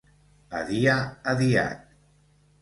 A dia adiat.